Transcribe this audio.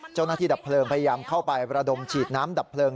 เจ้าหน้าที่ดับเพลิงพยายามเข้าไประดมฉีดน้ำดับเพลิง